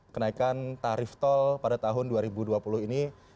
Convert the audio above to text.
kenaikan tarif tol pada tahun dua ribu dua puluh ini